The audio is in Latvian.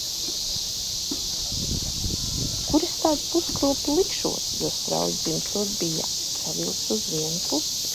Kur es tādu puskropli likšot, jo strauji dzimstot bija savilkta uz vienu pusi.